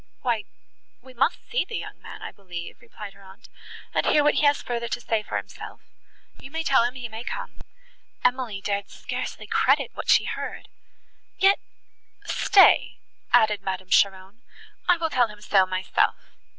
"Why—we must see the young man, I believe," replied her aunt, "and hear what he has further to say for himself. You may tell him he may come." Emily dared scarcely credit what she heard. "Yet, stay," added Madame Cheron, "I will tell him so myself."